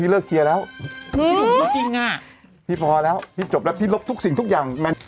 พี่เลิกเคลียร์แล้วพี่พอแล้วพี่จบแล้วพี่ลบทุกสิ่งทุกอย่างแม่น